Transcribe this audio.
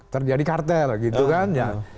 terjadi karter gitu kan